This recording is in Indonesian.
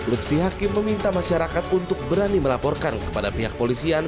lutfi hakim meminta masyarakat untuk berani melaporkan kepada pihak polisian